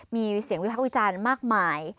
มีเสียงวิพากษ์วิจารณ์มากมาย